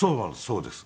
そうです。